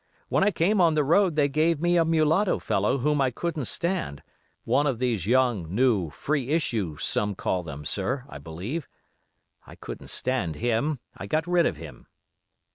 When I came on the road they gave me a mulatto fellow whom I couldn't stand, one of these young, new, "free issue" some call them, sir, I believe; I couldn't stand him, I got rid of him.